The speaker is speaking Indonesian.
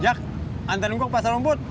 jak hantar gua ke pasar rumput